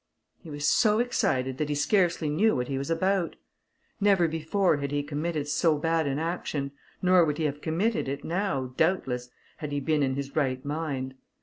He was so excited, that he scarcely knew what he was about. Never before had he committed so bad an action, nor would he have committed it now, doubtless, had he been in his right mind.